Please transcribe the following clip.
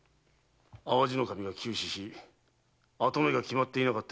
淡路守が急死し跡目が決まっていなかったゆえ